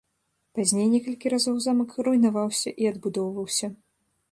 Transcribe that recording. Пазней некалькі разоў замак руйнаваўся і адбудоўваўся.